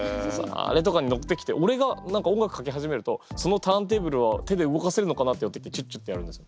あれとかに乗ってきておれが音楽かけ始めるとそのターンテーブルは手で動かせるのかな？ってやって来てチュッチュッてやるんですよ。